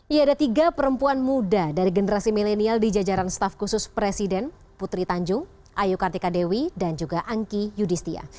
ya ada tiga perempuan muda dari generasi milenial di jajaran staf khusus presiden putri tanjung ayu kartika dewi dan juga angki yudhistia